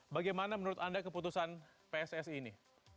bagaimana menurut anda keputusan pssi ini